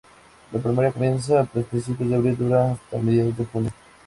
La primavera comienza a principios de abril y dura hasta mediados de junio.